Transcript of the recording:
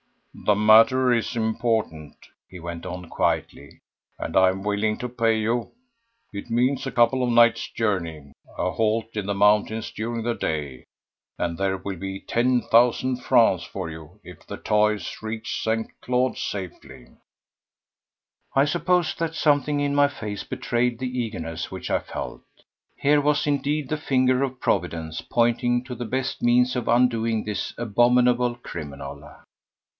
The matter is important," he went on quietly, "and I am willing to pay you. It means a couple of nights' journey—a halt in the mountains during the day—and there will be ten thousand francs for you if the 'toys' reach St. Claude safely." I suppose that something in my face betrayed the eagerness which I felt. Here was indeed the finger of Providence pointing to the best means of undoing this abominable criminal.